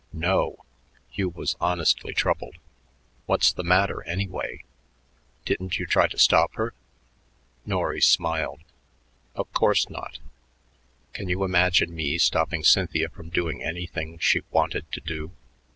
"No!" Hugh was honestly troubled. "What's the matter, anyway? Didn't you try to stop her?" Norry smiled. "Of course not. Can you imagine me stopping Cynthia from doing anything she wanted to do?